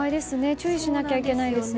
注意しなきゃいけないですね。